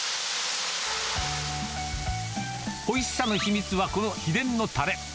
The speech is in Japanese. おいしさの秘密は、この秘伝のたれ。